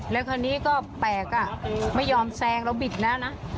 แล้วคราวนี้ก็แปลกไม่ยอมแซงเราบิดแล้วนะ